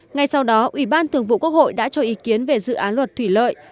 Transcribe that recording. ngay sau đó ủy ban thường vụ quốc hội đã cho ý kiến về dự án luật thủy lợi